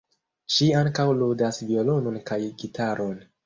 Ŝi ankaŭ ludas violonon kaj gitaron.